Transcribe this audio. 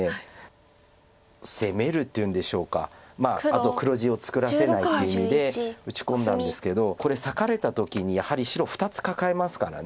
あと黒地を作らせないっていう意味で打ち込んだんですけどこれ裂かれた時にやはり白２つ抱えますから。